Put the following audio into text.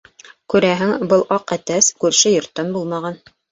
Күрәһең, был аҡ әтәс күрше йорттан булмаған.